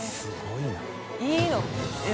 いいの？